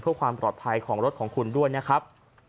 เพื่อความปลอดภัยของรถของคุณด้วยนะครับ